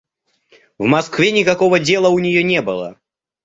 В Москве никакого дела у нее не было.